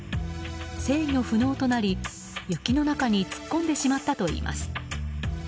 制御不能となり、雪の中に突っ込んでしまったといいます。